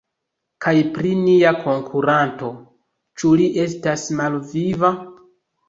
Kaj pri nia konkuranto, ĉu li estas malviva?